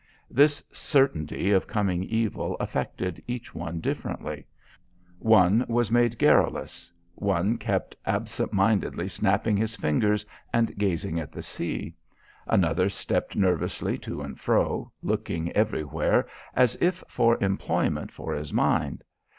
This certainty of coming evil affected each one differently. One was made garrulous; one kept absent mindedly snapping his fingers and gazing at the sea; another stepped nervously to and fro, looking everywhere as if for employment for his mind.